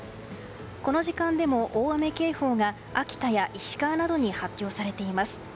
この時間でも大雨警報が秋田や石川などに発表されています。